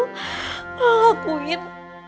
apa itu melakuin